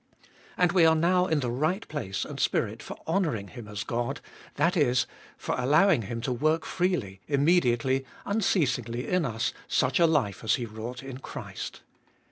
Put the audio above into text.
And we are now in the right place and spirit for honouring Him as God — that is, for allowing Him to work freely, immediately, unceasingly in us such a life as He wrought in Christ.